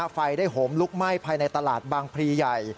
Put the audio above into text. ไฟได้โหมลุกไหม้ภายในตลาดบางพรีใหญ่